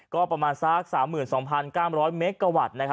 ก็ประมาณซัก๓๒๙๐๐เมกะวัตต์นะครับ